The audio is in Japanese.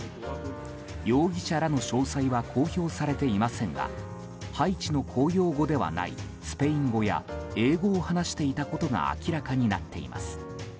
容疑者らの詳細は公表されていませんがハイチの公用語ではないスペイン語や英語を話していたことが明らかになっています。